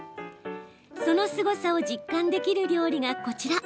そのすごさを実感できる料理がこちら。